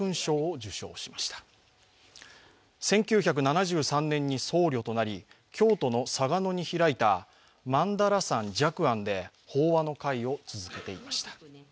１９７３年に僧侶となり京都の嵯峨野に開いた曼陀羅山寂庵で法話の会を続けていました。